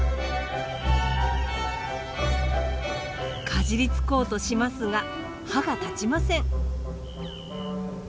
かじりつこうとしますが歯が立ちません。